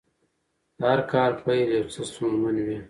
د هر کار پیل یو څه ستونزمن وي.